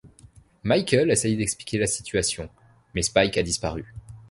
Michael essaie d'expliquer la situation, mais Spike a disparu.